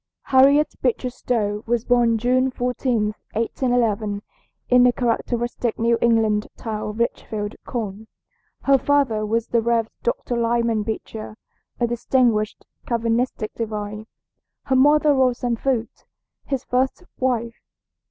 HARRIET BEECHER (STOWE) was born June 14, 1811, in the characteristic New England town of Litchfield, Conn. Her father was the Rev. Dr. Lyman Beecher, a distinguished Calvinistic divine, her mother Roxanna Foote, his first wife.